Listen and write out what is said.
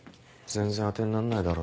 全然当てになんないだろ。